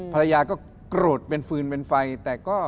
ภรรยาก็โกรธเป็นฟืนเป็นไฟแต่ก็